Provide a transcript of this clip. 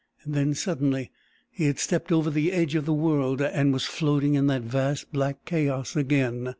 Then suddenly, he had stepped over the edge of the world and was floating in that vast, black chaos again.